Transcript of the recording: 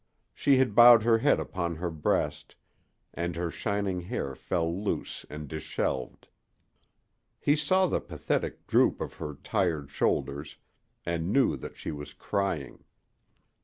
She had bowed her head upon her breast, and her shining hair fell loose and disheveled. He saw the pathetic droop of her tired shoulders, and knew that she was crying.